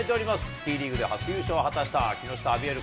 Ｔリーグで初優勝を果たした木下アビエル